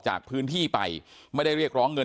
เชิงชู้สาวกับผอโรงเรียนคนนี้